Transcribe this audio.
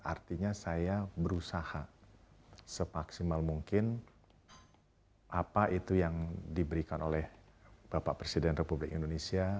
artinya saya berusaha semaksimal mungkin apa itu yang diberikan oleh bapak presiden republik indonesia